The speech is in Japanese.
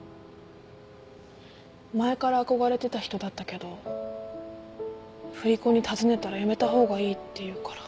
前から憧れてた人だったけど振り子に尋ねたらやめた方がいいっていうから。